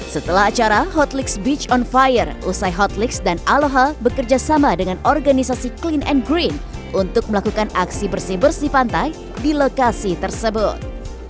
setelah acara hotlix beach on fire usai hotlix dan aloha bekerja sama dengan organisasi clean and green untuk melakukan aksi bersih bersih pantai di lokasi tersebut